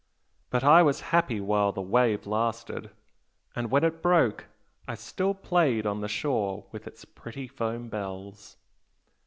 "But I was happy while the 'wave' lasted, and when it broke, I still played on the shore with its pretty foam bells."